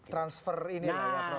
transfer ini lah ya prof ya